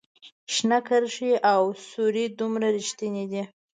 شنه کرښې او سورې دومره ریښتیني دي